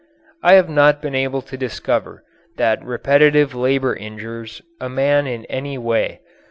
I have not been able to discover that repetitive labour injures a man in any way.